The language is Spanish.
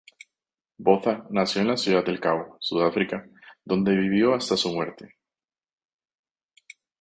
Botha nació en Ciudad del Cabo, Sudáfrica donde vivió hasta su muerte.